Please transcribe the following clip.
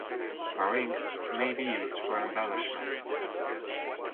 Meringue may be used for embellishment.